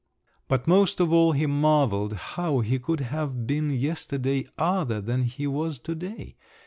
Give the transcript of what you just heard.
But most of all, he marvelled how he could have been yesterday other than he was to day.